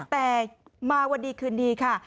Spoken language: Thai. แต่มาวันดีคืนดีค่ะ